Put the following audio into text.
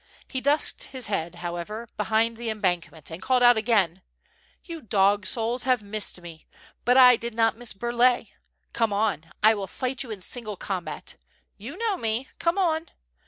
He dusked his head, how ever, behind the embankment, and called out again: "You dog souls have missed me, but I did not miss Burlay. Come on, I will fight you in single combat. You know me, come on.